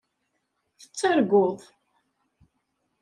Tettarguḍ.